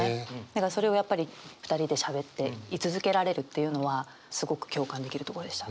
それをやっぱり２人でしゃべってい続けられるっていうのはすごく共感できるとこでした。